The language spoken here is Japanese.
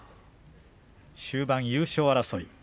終盤優勝争い。